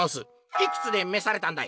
「いくつでめされたんだい？」。